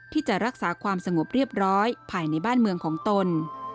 ที่จะรักษาความสงบเรียบร้อยภายในบ้านเมืองของตน